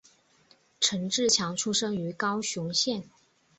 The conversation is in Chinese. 陈志强出生于高雄县。